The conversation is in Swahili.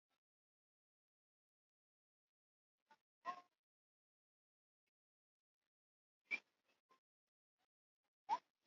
Alisema hayo kwa shirika la habari kwamba wanaendelea kufanya utafiti wa sera ambazo zitastahili